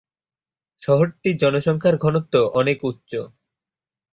শহরটির জনসংখ্যার ঘনত্ব অনেক উচ্চ।